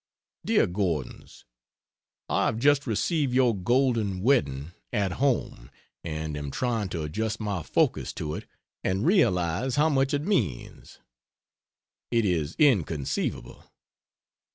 DEAR GORDONS, I have just received your golden wedding "At Home" and am trying to adjust my focus to it and realize how much it means. It is inconceivable!